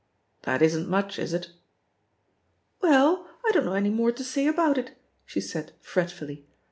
"That isn't much, is it?" "Well, I don't know any more to say about it," she said fretfully.